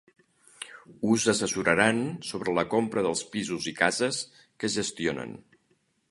Us assessoraran sobre la compra dels pisos i cases que gestionen.